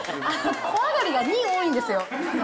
小上がりが２、多いんですよ。